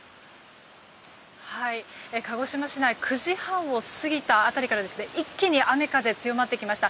鹿児島市内９時半を過ぎた辺りから一気に雨風、強まってきました。